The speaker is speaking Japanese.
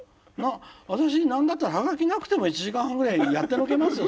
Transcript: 私何だったらハガキなくても１時間半ぐらいやってのけますよ